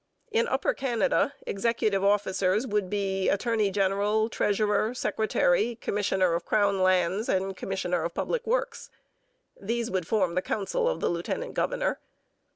In Upper Canada executive officers would be attorney general, treasurer, secretary, commissioner of crown lands and commissioner of public works. These would form the council of the lieutenant governor.